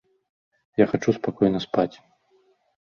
Я хачу спакойна спаць.